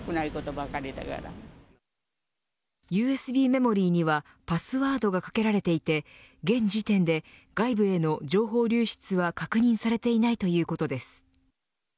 ＵＳＢメモリーにはパスワードがかけられていて現時点で外部への情報流出は確認されていないということです。